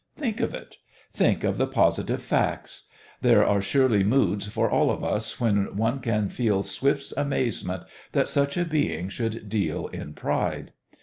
Think of it! Think of the positive facts. There are surely moods for all of us when one can feel Swift's amazement that such a being should deal in pride.